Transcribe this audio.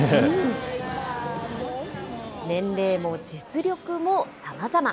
年齢も実力もさまざま。